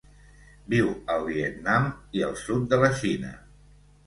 Viu al Vietnam i el sud de la Xina.